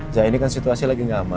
zaini kan situasi lagi gak aman